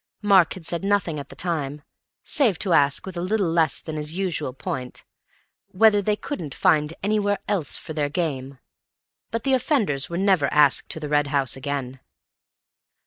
Mark had said nothing at the time, save to ask with a little less than his usual point—whether they couldn't find anywhere else for their game, but the offenders were never asked to The Red House again.